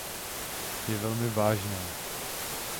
Je velmi vážná.